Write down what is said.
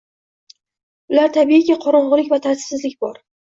Ular, tabiiyki, qorong’ilik va tartibsizlik bor.